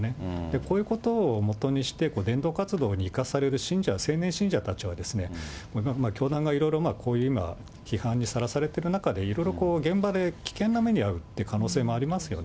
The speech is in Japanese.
こういうことを基にして、伝道活動に行かされる信者、青年信者たちはですね、教団がいろいろ、こういう今、批判にさらされている中で、いろいろこう、現場で危険な目に遭うという可能性もありますよね。